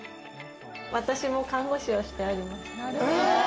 私も看護師をしております。